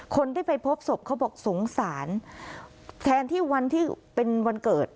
คนที่ไปพบศพเขาบอกสงสารแทนที่วันที่เป็นวันเกิด